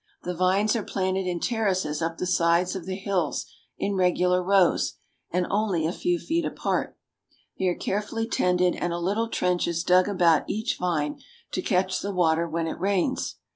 The vines are planted in terraces up the sides of the hills in regular rows, and only a few feet apart. They are carefully tended, and a little trench is dug about each vine to catch the water when it rains.